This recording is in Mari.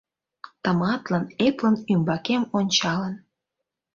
Тыматлын, эплын ӱмбакем ончалын